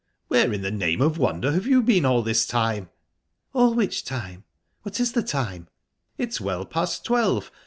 "Where in the name of wonder have you been all this time?" "All which time? What is the time?" "It's well past twelve.